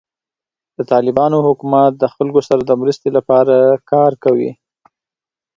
د طالبانو حکومت د خلکو سره د مرستې لپاره کار کوي.